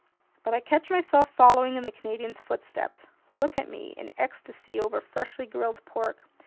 But I catch myself following in the Canadian's footsteps. Look at me—in ecstasy over freshly grilled pork!